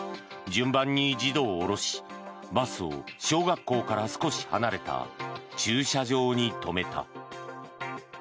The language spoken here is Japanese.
順番に児童を降ろしバスを小学校から少し離れた駐車場に止めた。